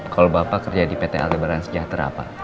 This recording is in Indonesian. kalau bapak kerja di pt alibaran sejahtera pak